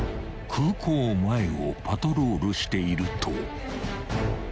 ［空港前をパトロールしていると］